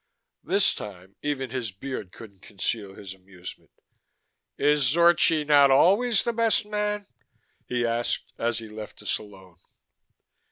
This time, even his beard couldn't conceal his amusement. "Is Zorchi not always the best man?" he asked as he left us alone.